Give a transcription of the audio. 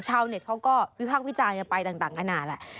ชาวเน็ตเขาก็วิภาควิจารณ์ไปต่างกันหน่าแหละ